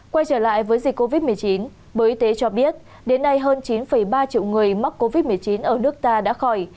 quay trở lại với dịch covid một mươi chín bộ y tế cho biết đến nay hơn chín ba triệu người mắc covid một mươi chín ở nước ta đã khỏi